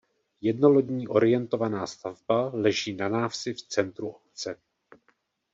Jednolodní orientovaná stavba leží na návsi v centru obce.